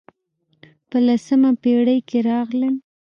په لسمه پېړۍ کې راغلل.